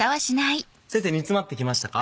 先生煮詰まってきましたか？